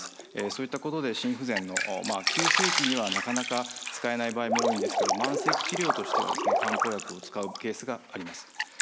そういったことで心不全の急性期にはなかなか使えない場合も多いんですけど慢性期治療としては漢方薬を使うケースがあります。